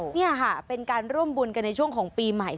นี่ค่ะเป็นการร่วมบุญกันในช่วงของปีใหม่